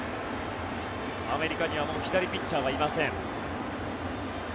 アメリカにはもう左ピッチャーはいません。